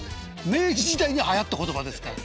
明治時代にはやった言葉ですから。